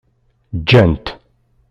Ǧǧan-t.